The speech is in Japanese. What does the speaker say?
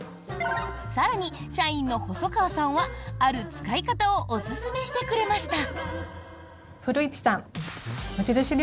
更に、社員の細川さんはある使い方をおすすめしてくれました。